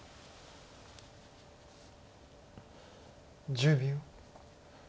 １０秒。